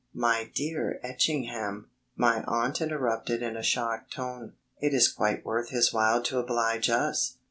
"My dear Etchingham," my aunt interrupted in a shocked tone, "it is quite worth his while to oblige us...."